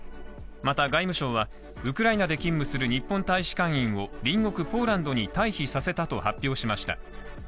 また外務省はウクライナで勤務する日本大使館員を隣国ポーランドに退避させたと発表しました。